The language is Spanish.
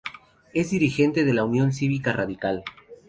Es dirigente de la Unión Cívica Radical.